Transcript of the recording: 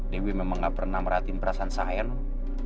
dewi memang nggak pernah merhatiin perasaan saya non